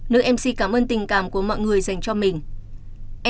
nữ mc cảm ơn tình cảm của mọi người dành cho mình